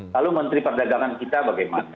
lalu menteri perdagangan kita bagaimana